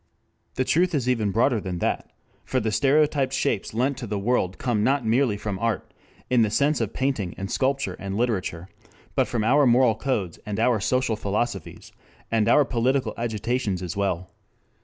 The truth is even broader than that, for the stereotyped shapes lent to the world come not merely from art, in the sense of painting and sculpture and literature, but from our moral codes and our social philosophies and our political agitations as well.